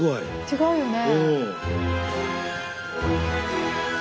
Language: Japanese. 違うよね。